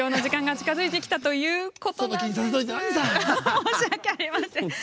申し訳ありません。